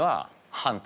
反対？